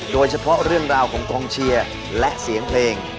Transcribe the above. โดยเฉพาะเรื่องราวของกองเชียร์และเสียงเพลง